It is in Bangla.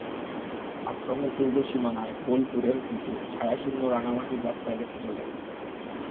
আশ্রমের পূর্ব সীমানায় বোলপুরের দিকে ছায়াশূন্য রাঙামাটির রাস্তা গেছে চলে।